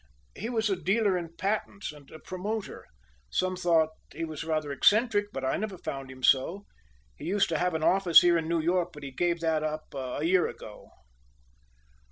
"He was a dealer in patents and a promoter. Some thought he was rather eccentric, but I never found him so. He used to have an office here in New York but gave that up a year ago."